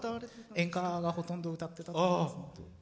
演歌をほとんど歌ってた。